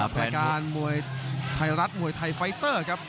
รายการมวยไทยรัฐมวยไทยไฟเตอร์ครับ